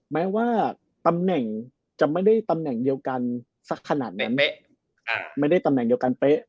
แม้ว่าตำแหน่งจะไม่ได้ตำแหน่งเดียวกันสักขนาดนี้เป๊ะไม่ได้ตำแหน่งเดียวกันเป๊ะ